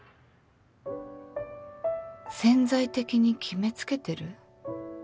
潜在的に決め付けてる？